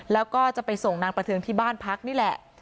แล้วก็จะไปส่งนางประเทืองที่บ้านพักนี่แหละ